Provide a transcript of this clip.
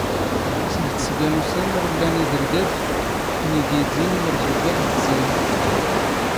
ⵙⴳ ⵜⵙⴳⴰ ⵏ ⵓⵙⴰⵎⵎⵔ ⵍⵍⴰⵏ ⵉⴳⵔⴳⴰⴱ ⵏ ⵉⴳⵉⴷⵉ ⵏ ⵎⵔⵣⵓⴳⴰ ⴷ ⴷⵣⴰⵢⵔ.